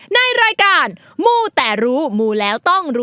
ในรายการมูแต่รู้มูแล้วต้องรู้